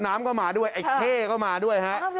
น้ำก็มาด้วยไอ้เข้ก็มาด้วยฮะ